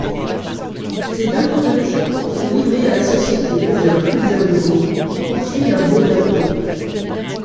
Ces deux prototypes sont livrés à la société Weser Flugzeugbau qui poursuit leur développement.